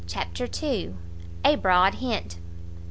CHAPTER ii. A BROAD HINT.